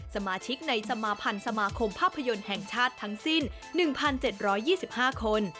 สมาชิกในสมาพันธ์สมาคมภาพยนตร์แห่งชาติทั้งสิ้น๑๗๒๕คน